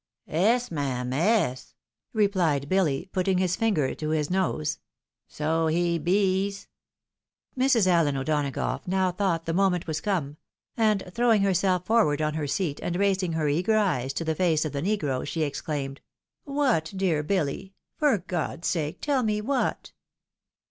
" Es, mam, es," replied Billy, putting his finger to his nose, "so he bees." Mrs. AUen O'Donagough now thought the moment was come ; and throwing herself forward on her seat, and raising her eager eyes to the face of the negro, she exclaimed, " What 'I dear Billy ! for God's sake tell me what